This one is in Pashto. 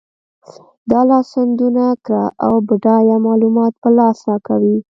دا لاسوندونه کره او بډایه معلومات په لاس راکوي.